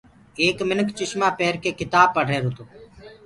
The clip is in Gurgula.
ايڪ منک چُشمآنٚ پيرڪي ڪتآب پڙه ريهروتو